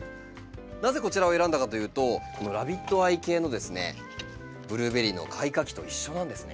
なぜこちらを選んだかというとこのラビットアイ系のブルーベリーの開花期と一緒なんですね。